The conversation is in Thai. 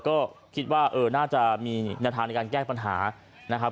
ก็คิดว่าเออน่าจะมีแนวทางในการแก้ปัญหานะครับ